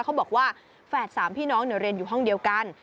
เขาบอกว่าแฝดสามพี่น้องเรียนอยู่ห้องเดียวกัน